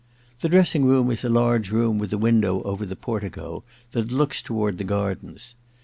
The dressing room is a large room with a window over the portico that looks toward the gardens.